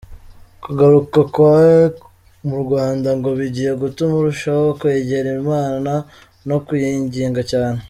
Kugaruka kwe mu Rwanda ngo bigiye gutuma arushaho kwegera Imana no kuyinginga cyane.